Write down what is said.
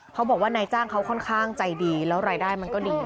เขาบอกว่านายจ้างเขาค่อนข้างใจดีแล้วรายได้มันก็ดี